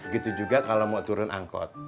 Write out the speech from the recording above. gitu juga kalau mau turun angkot